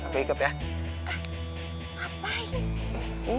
pak apa ini